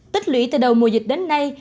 tích lũy từ đầu mùa dịch đến nay